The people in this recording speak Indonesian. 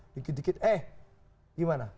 dikit dikit eh gimana